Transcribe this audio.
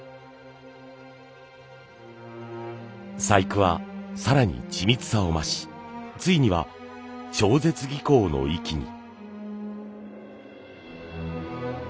細工は更に緻密さを増しついには超絶技巧の域に。